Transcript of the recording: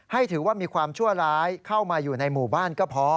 ถือว่ามีความชั่วร้ายเข้ามาอยู่ในหมู่บ้านก็พอ